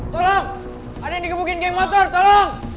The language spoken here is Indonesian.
tolong ada yang dikemukin geng motor tolong